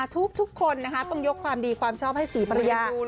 ทุกคนต้องยกความดีความชอบให้ศรีภรรยา